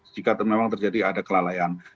jika memang terjadi ada kelalaian